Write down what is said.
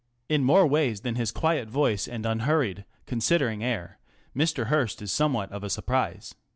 In more ways than his quiet voice and unhurried, considering air, Mr. Hearst is somewhat of a surprise.